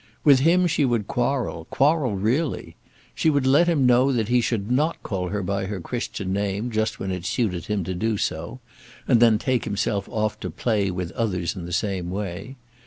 With him she would quarrel, quarrel really. She would let him know that he should not call her by her Christian name just when it suited him to do so, and then take himself off to play with others in the same way.